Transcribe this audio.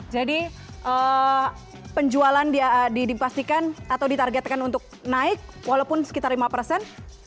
jadi penjualan dipastikan atau ditargetkan untuk naik walaupun sekitar lima persen